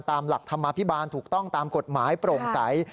ตามหลักธรรมาภิบาลถูกต้องตามกฎหมายโปร่งใส